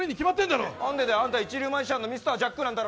あんた一流のマジシャンのミスタージャックなんだろ。